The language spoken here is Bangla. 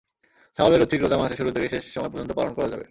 শাওয়ালের ঐচ্ছিক রোজা মাসের শুরু থেকে শেষ সময় পর্যন্ত পালন করা যাবে।